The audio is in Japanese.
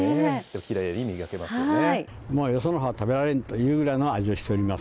きれいに磨けますよね。